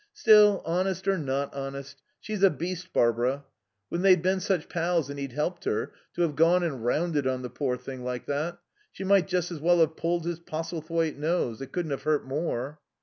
Still, honest or not honest, she's a beast, Barbara. When they'd been such pals and he'd helped her, to have gone and rounded on the poor thing like that. She might just as well have pulled his Postlethwaite nose. It couldn't have hurt more."